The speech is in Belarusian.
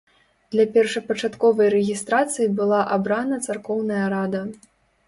Для першапачатковай рэгістрацыі была абрана царкоўная рада.